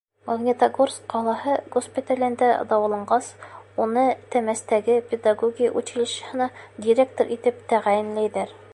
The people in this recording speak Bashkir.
Магнитогорск ҡалаһы госпиталендә дауаланғас, уны Темәстәге педагогия училищеһына директор итеп тәғәйенләйҙәр.